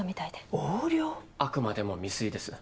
あくまでも未遂です。